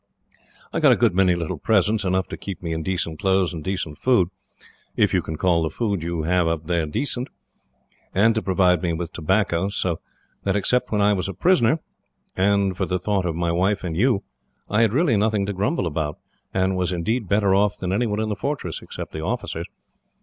I got a good many little presents, enough to keep me in decent clothes and decent food if you can call the food you have up there decent and to provide me with tobacco; so that, except that I was a prisoner, and for the thought of my wife and you, I had really nothing to grumble about, and was indeed better off than anyone in the fortress, except the officers.